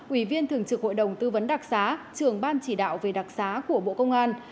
ủy viên thường trực hội đồng tư vấn đặc xá trường ban chỉ đạo về đặc xá của bộ công an